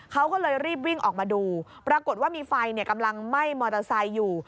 เขาก็เลยรีบวิ่งออกมาดูปรากฏว่ามีไฟกำลังไหม้มอเตอร์ไซค์อยู่